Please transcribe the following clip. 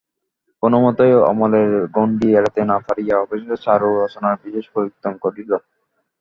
কোনোমতেই অমলের গণ্ডি এড়াইতে না পারিয়া অবশেষে চারু রচনার বিষয় পরিবর্তন করিল।